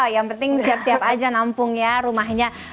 yang penting siap siap aja nampung ya rumahnya